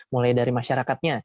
mulai dari masyarakatnya